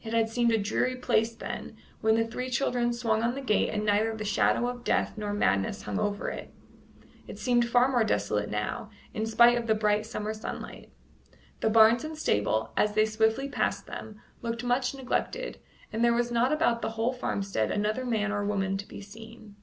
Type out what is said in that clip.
It had seemed a dreary place then, when the three children swung on the gate and neither the shadow of death nor madness hung over it; it seemed far more desolate now, in spite of the bright summer sunlight. The barns and stable, as they swiftly passed them, looked much neglected, and there was not about the whole farmstead another man or woman to be seen.